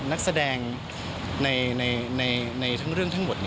นักแสดงในทั้งเรื่องทั้งหมด